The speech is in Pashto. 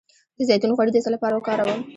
د زیتون غوړي د څه لپاره وکاروم؟